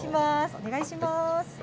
お願いします。